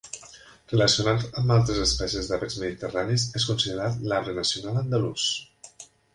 Relacionat amb altres espècies d'avets mediterranis, és considerat l'"arbre nacional andalús".